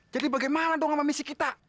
jadi bagaimana dong sama misi kita